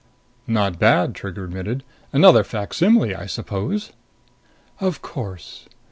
"Not bad," Trigger admitted. "Another facsimile, I suppose?" "Of course."